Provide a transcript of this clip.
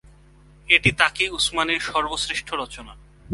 এটি তাকি উসমানির সর্বশ্রেষ্ঠ রচনা।